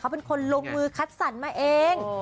เป็นคนลงมือคัดสรรมาเอง